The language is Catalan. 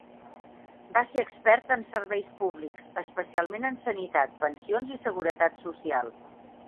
Va ser expert en serveis públics: especialment en sanitat, pensions i seguretat social.